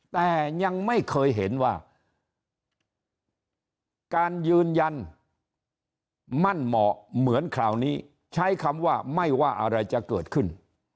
แต่ยังไม่เคยเห็นว่าการยืนยันมั่นเหมาะเหมือนคราวนี้ใช้คำว่าไม่ว่าอะไรจะเกิดขึ้น